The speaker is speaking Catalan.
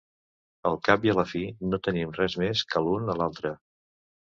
Al cap i a la fi, no tenim res més que l'un a l'altre.